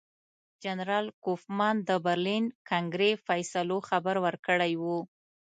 جنرال کوفمان د برلین کنګرې فیصلو خبر ورکړی وو.